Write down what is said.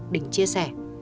đình chia sẻ